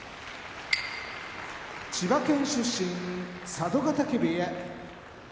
千葉県出身佐渡ヶ嶽部屋